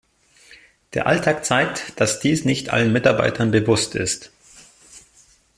Der Alltag zeigt, dass dies nicht allen Mitarbeitern bewusst ist.